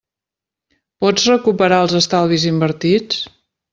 Pots recuperar els estalvis invertits?